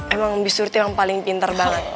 emang bi surti yang paling pinter banget